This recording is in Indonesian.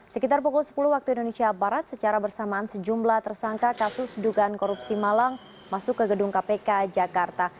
sekitar pukul sepuluh waktu indonesia barat secara bersamaan sejumlah tersangka kasus dugaan korupsi malang masuk ke gedung kpk jakarta